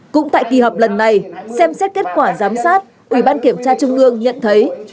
cũng tại kỳ họp lần này xem xét kết quả giám sát ủy ban kiểm tra trung ương nhận thấy